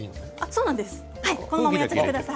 そのままやってください。